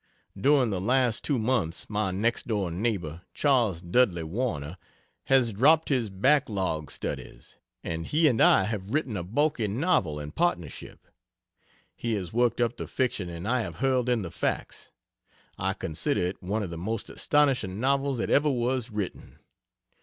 During the last two months my next door neighbor, Chas. Dudley Warner, has dropped his "Back Log Studies," and he and I have written a bulky novel in partnership. He has worked up the fiction and I have hurled in the facts. I consider it one of the most astonishing novels that ever was written.